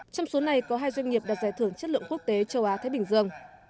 trong số này có hai doanh nghiệp đạt giải thưởng chất lượng quốc tế châu á thái bình dương